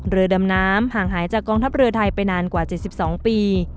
เรือดำน้ำห่างหายจากกองทัพเรือไทยไปนานกว่า๗๒ปี